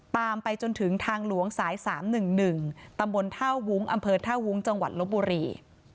ไปจนถึงทางหลวงสาย๓๑๑ตำบลท่าวุ้งอำเภอท่าวุ้งจังหวัดลบบุรี